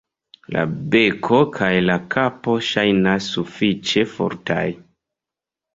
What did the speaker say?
La beko kaj la kapo ŝajnas sufiĉe fortaj.